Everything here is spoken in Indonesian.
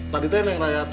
tadi tuh neng raya tuh